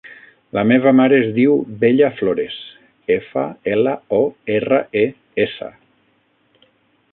La meva mare es diu Bella Flores: efa, ela, o, erra, e, essa.